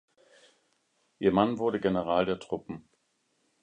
Ihr Mann wurde General der Truppen.